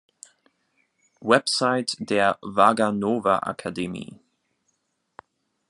Website der Waganowa-Akademie